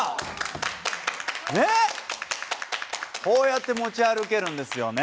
ねえこうやって持ち歩けるんですよね。